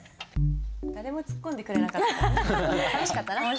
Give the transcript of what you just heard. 誰も突っ込んでくれなかった。